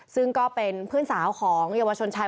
ซึ่งก็เป็นเพื่อนสาวของเยาวชนชาย